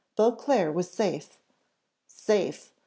Beauclerc was safe! safe!